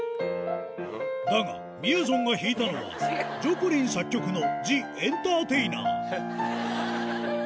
だが、みやぞんが弾いたのは、ジョプリン作曲のジ・エンターテイナー。